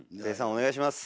お願いします。